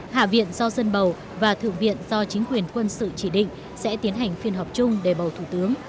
hạ viện do dân bầu và thượng viện do chính quyền quân sự chỉ định sẽ tiến hành phiên họp chung để bầu thủ tướng